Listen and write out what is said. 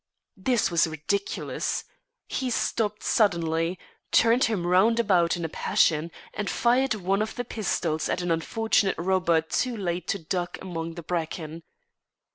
This was ridiculous. He stopped suddenly, turned him round about in a passion, and fired one of the pistols at an unfortunate robber too late to duck among the bracken.